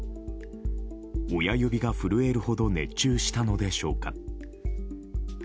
親指が震えるほど熱中したのでしょうか。